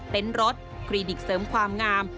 รถคลินิกเสริมความงาม